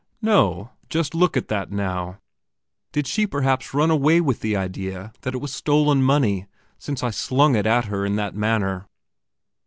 No; just look at that now! Did she perhaps run away with the idea that it was stolen money, since I slung it at her in that manner?